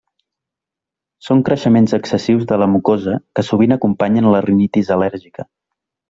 Són creixements excessius de la mucosa que sovint acompanyen la rinitis al·lèrgica.